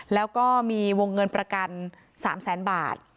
แล้วก็มีวงเงินประกัน๓แสนบาท